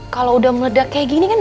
kalau udah meledak kayak gini kan